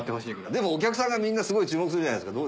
でもお客さんがみんなすごい注目するじゃないですか。